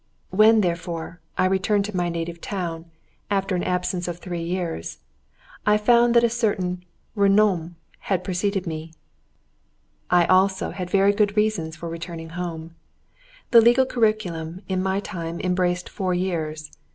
When, therefore, I returned to my native town, after an absence of three years, I found that a certain renommée had preceded me. I had also very good reasons for returning home. The legal curriculum in my time embraced four years.